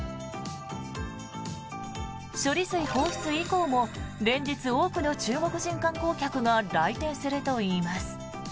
処理水放出以降も連日、多くの中国人観光客が来店するといいます。